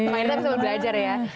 main tapi sebelum belajar ya